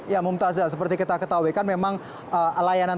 ya mumtazah seperti kita ketahui kan memang layanan